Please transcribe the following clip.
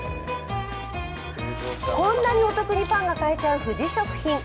こんなにお得にパンが買えちゃう富士食品。